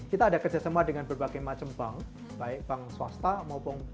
kita ada kerjasama dengan berbagai macam bank baik bank swasta maupun